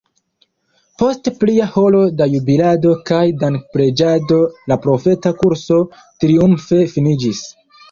Post plia horo da jubilado kaj dankpreĝado la profeta kurso triumfe finiĝis.